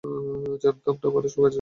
জানতাম না, মানুষ গাছে জন্মায়।